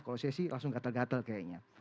kalau sesi langsung gatel gatel kayaknya